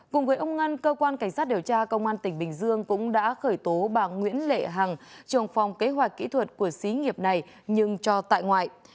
cùng với ông ngân cơ quan cảnh sát điều tra công an tỉnh bình dương cũng đã khởi tố bà nguyễn lệ hằng trồng phòng kế hoạch kỹ thuật của xí nghiệp này nhưng cho tại ngoại